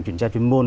kiểm tra chuyên môn